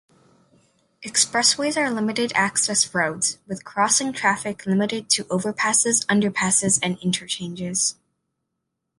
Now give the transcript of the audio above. Expressways are limited-access roads, with crossing traffic limited to overpasses, underpasses, and interchanges.